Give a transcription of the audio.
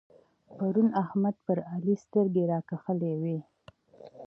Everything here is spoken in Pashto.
پرون احمد پر علي سترګې راکښلې وې.